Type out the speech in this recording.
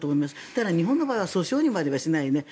ただ、日本の場合は訴訟にまではしないよね。